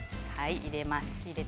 入れます。